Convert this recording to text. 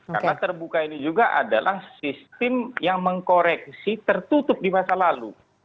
karena terbuka ini juga adalah sistem yang mengkoreksi tertutup di masa lalu